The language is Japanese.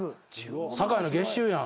酒井の月収やん。